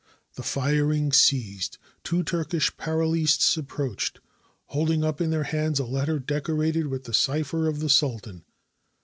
The firing ceased: two Turkish parleyists approached, holding up in their hands a letter decorated with the cipher of the sultan.